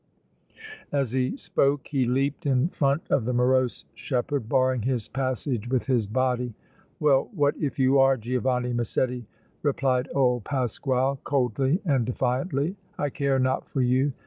As he spoke he leaped in front of the morose shepherd, barring his passage with his body. "Well, what if you are Giovanni Massetti!" replied old Pasquale, coldly and defiantly. "I care not for you!